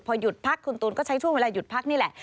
พอหยุดพักคุณตูนก็ใช้ช่วงเวลาหยุดพักนี่แหละ